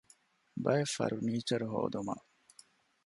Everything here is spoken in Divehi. ބައެއް ފަރުނީޗަރު ހޯދުމަށް